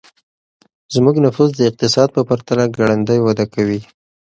زموږ نفوس د اقتصاد په پرتله ګړندی وده کوي.